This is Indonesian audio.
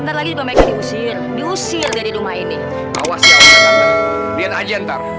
kita sebaiknya kalau bicara ini di dalam aja ya